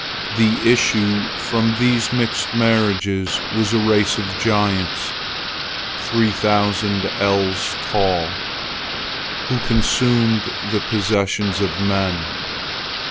The issue from these mixed marriages was a race of giants, three thousand ells tall, who consumed the possessions of men.